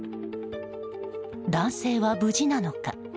男性は無事なのか。